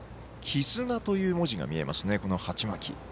「絆」という文字が見えますね、この鉢巻き。